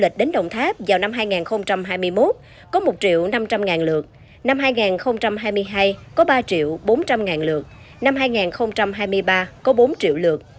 lịch đến đồng tháp vào năm hai nghìn hai mươi một có một triệu năm trăm linh lượt năm hai nghìn hai mươi hai có ba bốn trăm linh ngàn lượt năm hai nghìn hai mươi ba có bốn triệu lượt